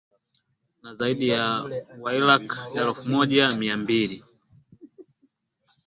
na zaidi ya wairaq elfu moja mia mbili